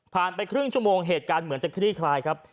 ไปครึ่งชั่วโมงเหตุการณ์เหมือนจะคลี่คลายครับ